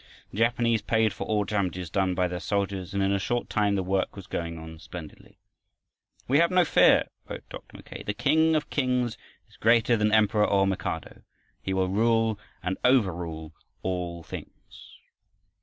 The Japanese paid for all damages done by their soldiers and in a short time the work was going on splendidly. "We have no fear," wrote Dr. Mackay. "The King of kings is greater than Emperor or Mikado. He will rule and overrule all things."